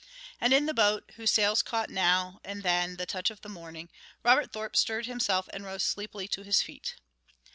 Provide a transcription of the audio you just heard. And in the boat, whose sails caught now and then the touch of morning, Robert Thorpe stirred himself and rose sleepily to his feet.